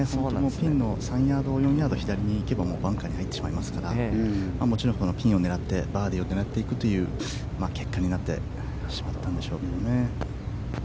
ピンの３ヤード、４ヤード左にいけばバンカーですからもちろんピンを狙ってバーディーを狙っていく結果になってしまったんでしょうけど。